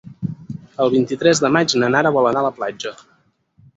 El vint-i-tres de maig na Nara vol anar a la platja.